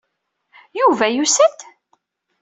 Yuba yusa-d?